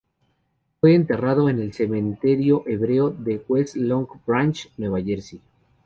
Fue enterrado en el Cementerio Hebreo de West Long Branch, Nueva Jersey.